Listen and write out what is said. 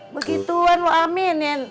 begituan lu aminin